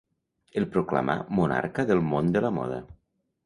El proclamà monarca del món de la moda.